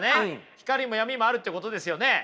光も闇もあるってことですよね。